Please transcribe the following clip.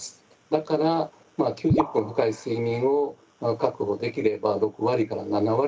だから９０分深い睡眠を確保できれば６割７割